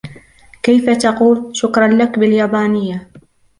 كيف تقول " شكراً لك " باليابانية؟